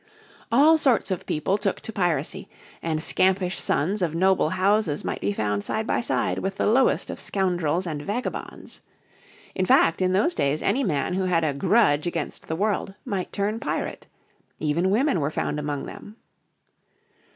All sorts of people took to piracy, and scampish sons of noble houses might be found side by side with the lowest of scoundrels and vagabonds. In fact in those days any man who had a grudge against the world might turn pirate. Even women were found among them.